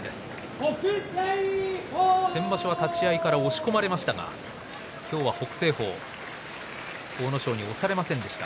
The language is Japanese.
先場所は立ち合いから押し込まれましたが今日は北青鵬阿武咲に押されませんでした。